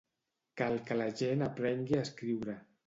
Cal que la gent aprengui a escriure.